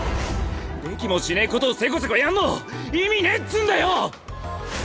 できもしねぇことをせこせこやんのを意味ねぇっつぅんだよ！